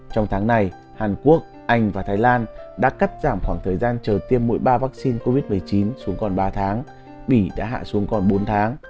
trong tháng này hàn quốc anh và thái lan đã cắt giảm khoảng thời gian chờ tiêm mỗi ba vaccine covid một mươi chín xuống còn ba tháng bỉ đã hạ xuống còn bốn tháng